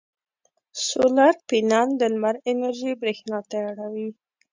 سولر پینل د لمر انرژي برېښنا ته اړوي.